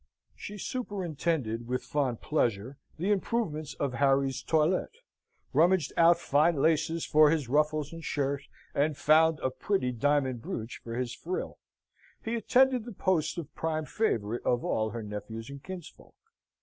She superintended with fond pleasure the improvements of Harry's toilette: rummaged out fine laces for his ruffles and shirt, and found a pretty diamond brooch for his frill. He attained the post of prime favourite of all her nephews and kinsfolk.